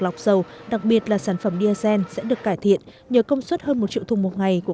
lọc dầu đặc biệt là sản phẩm diesel sẽ được cải thiện nhờ công suất hơn một triệu thùng một ngày của